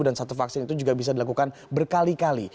dan satu vaksin itu juga bisa dilakukan berkali kali